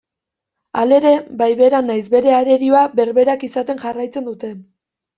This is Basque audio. Halere, bai bera nahiz bere arerioa berberak izaten jarraitzen dute.